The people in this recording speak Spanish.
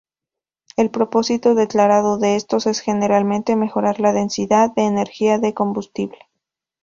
El propósito declarado de estos es generalmente mejorar la densidad de energía del combustible.